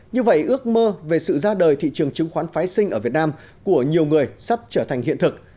như vậy ước mơ về sự ra đời thị trường chứng khoán phái sinh ở việt nam của nhiều người sắp trở thành hiện thực